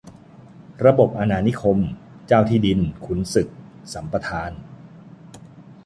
ระบบอาณานิคม เจ้าที่ดิน-ขุนศึก สัมปทาน